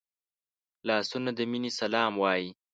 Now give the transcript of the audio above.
لاسونه د مینې سلام وايي